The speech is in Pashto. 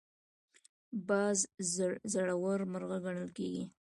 باز زړور مرغه ګڼل کېږي